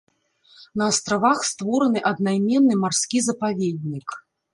На астравах створаны аднайменны марскі запаведнік.